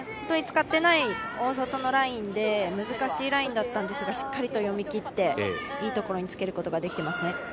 使っていない大外のラインで難しいラインだったんですがしっかりと読み切って、いいところにつけることができていますね。